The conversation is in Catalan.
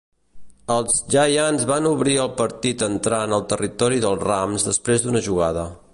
Els Giants van obrir el partit entrant al territori dels Rams després d'una jugada.